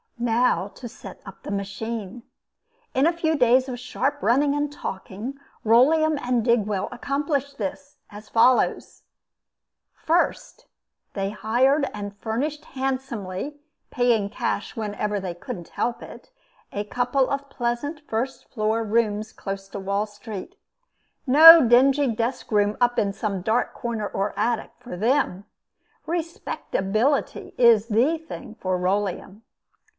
Now to set up the machine. In a few days of sharp running and talking, Rolleum and Digwell accomplished this, as follows: First, they hired and furnished handsomely, paying cash whenever they couldn't help it, a couple of pleasant first floor rooms close to Wall Street. No dingy desk room up in some dark corner or attic, for them. Respectability is the thing for Rolleum.